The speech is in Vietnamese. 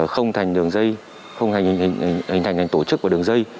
không thành đường dây không hình thành ngành tổ chức của đường dây